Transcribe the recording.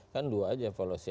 kan dua aja evaluasi